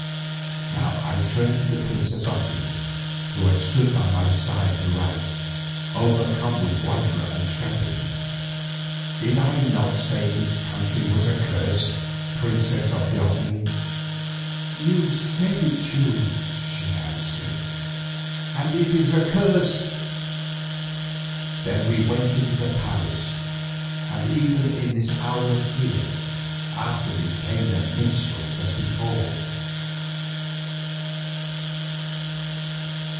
Now, I turned to the princess Otomie, who had stood by my side throughout, overcome with wonder and trembling. "Did I not say that this country was accursed, princess of the Otomie?" "You said it, Teule," she answered, "and it is accursed." Then we went into the palace, and even in this hour of fear, after me came the minstrels as before.